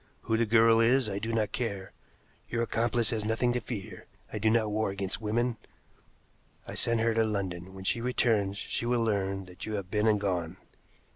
Who the girl is, I do not care. Your accomplice has nothing to fear I do not war against women. I sent her to London. When she returns she will learn that you have been and gone.